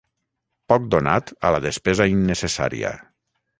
Poc donat a la despesa innecessària.